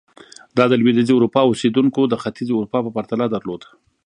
دا د لوېدیځې اروپا اوسېدونکو د ختیځې اروپا په پرتله درلود.